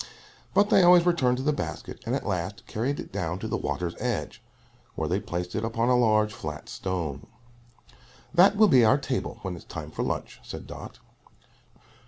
But they always returned to the basket, and at last carried it down to the water's edge, where they placed it upon a large, flat stone. "That will be our table, when it's time for lunch," said Dot.